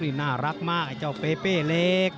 นี่น่ารักมากไอ้เจ้าเปเป้เล็ก